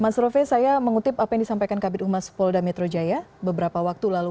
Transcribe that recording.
mas rove saya mengutip apa yang disampaikan kabinet umas polda metro jaya beberapa waktu lalu